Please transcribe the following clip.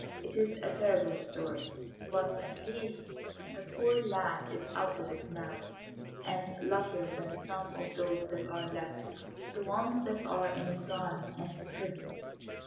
It is a terrible story, but at least the poor lad is out of it now, and luckier than some of those that are left the ones that are in exile and in prison.